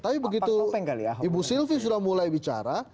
tapi begitu ibu sylvie sudah mulai bicara